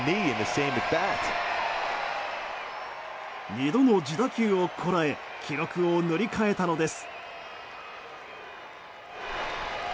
２度の自打球をこらえ記録を塗り替えたのです。